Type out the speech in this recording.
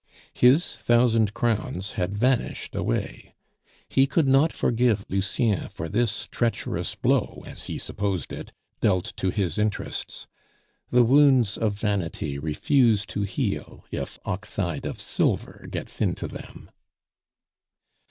His thousand crowns had vanished away; he could not forgive Lucien for this treacherous blow (as he supposed it) dealt to his interests. The wounds of vanity refuse to heal if oxide of silver gets into them.